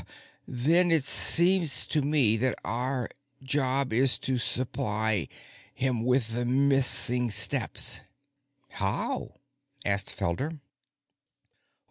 Then it seems to me that our job is to supply him with the missing steps." "How?" asked Felder.